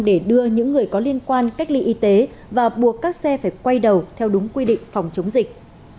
để đưa những người có liên quan cách ly y tế và buộc các xe phải quay đầu theo đúng quy định phòng chống dịch